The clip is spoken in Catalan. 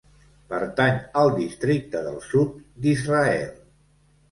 Pertany al districte del Sud d'Israel.